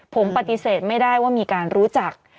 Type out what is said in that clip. ผมปฏิเสธไม่ได้ว่ามีการรู้จัก